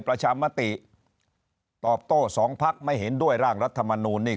ประชามติตอบโต้สองพักไม่เห็นด้วยร่างรัฐมนูลนี่